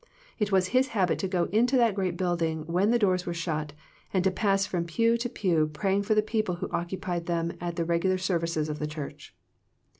It was his habit to go into that great building when the doors were shut, and to pass from pew to pew praying for the people who occupied them at the regular services of the church.